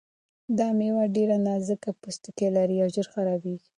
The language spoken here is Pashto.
دا مېوه ډېر نازک پوستکی لري او ژر خرابیږي.